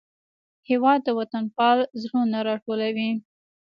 هېواد د وطنپال زړونه راټولوي.